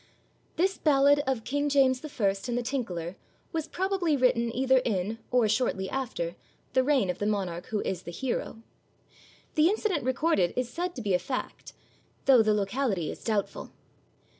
[THIS ballad of King James I. and the Tinkler was probably written either in, or shortly after, the reign of the monarch who is the hero. The incident recorded is said to be a fact, though the locality is doubtful.